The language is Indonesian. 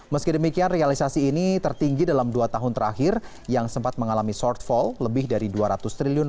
meski demikian realisasi ini tertinggi dalam dua tahun terakhir yang sempat mengalami shortfall lebih dari dua ratus triliun